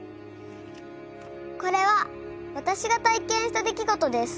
「これは私が体験した出来事です」